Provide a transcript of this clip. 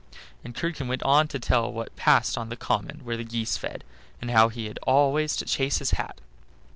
'" And Curdken went on to tell what passed on the common where the geese fed, and how he had always to chase his hat.